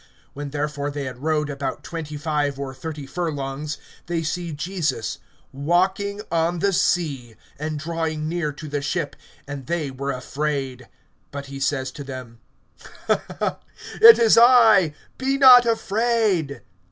(19)When therefore they had rowed about twenty five or thirty furlongs, they see Jesus walking on the sea, and drawing near to the ship; and they were afraid. (20)But he says to them: It is I, be not afraid.